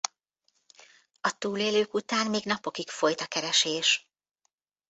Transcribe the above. A túlélők után még napokig folyt a keresés.